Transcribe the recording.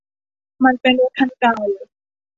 มันเป็นรถคันเก่า